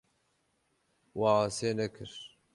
We asê nekir.